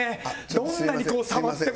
どんなに触っても。